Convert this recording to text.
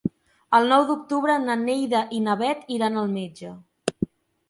El nou d'octubre na Neida i na Bet iran al metge.